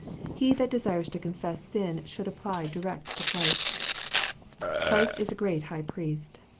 He that desires to confess sin should apply direct to Christ. Christ is a great High Priest.